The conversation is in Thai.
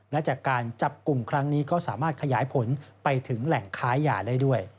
และจากการจับกลุ่มครั้งนี้ก็สามารถขยายผลไปถึงแหล่งค้ายาได้ด้วย